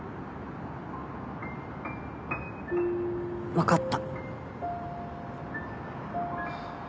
分かった。